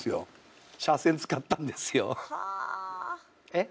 えっ？